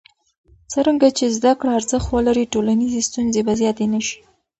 څرنګه چې زده کړه ارزښت ولري، ټولنیزې ستونزې به زیاتې نه شي.